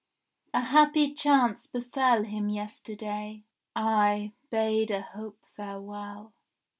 A happy chance befell Him yesterday; I bade a hope farewell.